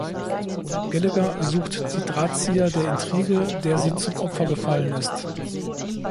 Gallagher sucht die Drahtzieher der Intrige, der sie zum Opfer gefallen ist.